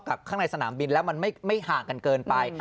ข้างในสนามบินแล้วมันไม่ห่างกันเกินไป